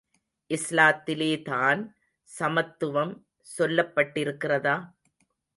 இஸ்லாத்திலேதான் சமத்துவம் சொல்லப்பட்டிருக்கிறதா?